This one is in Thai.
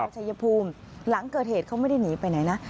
ชายภูมิหลังเกิดเหตุเขาไม่ได้หนีไปไหนนะ